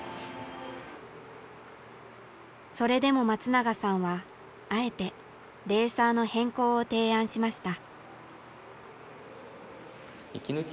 それでも松永さんはあえてレーサーの変更を提案しました。